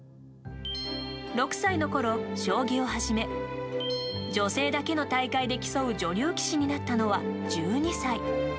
６歳のころ、将棋を始め女性だけの大会で競う女流棋士になったのは１２歳。